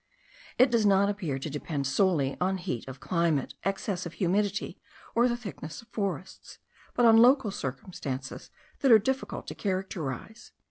It does not appear to depend solely on heat of climate, excess of humidity, or the thickness of forests, but on local circumstances that are difficult to characterise.